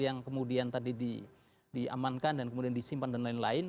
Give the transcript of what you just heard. yang kemudian tadi diamankan dan kemudian disimpan dan lain lain